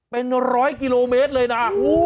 เป็นร้อยกิโลเมตรเลยนะ